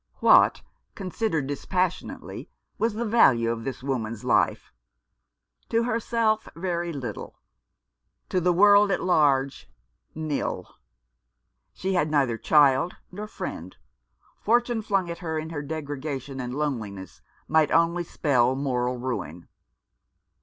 What, considered dispassionately, was the value of this woman's life ? To herself very little ; to the world at large, nil. She had neither child nor friend. Fortune flung at her, in her degradation and loneliness, might only spell moral ruin.